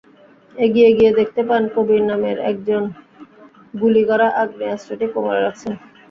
এগিয়ে গিয়ে দেখতে পান কবির নামের একজন গুলি করা আগ্নেয়াস্ত্রটি কোমরে রাখছেন।